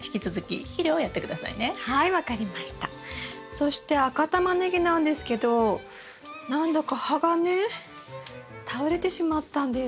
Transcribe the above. そして赤タマネギなんですけど何だか葉がね倒れてしまったんです。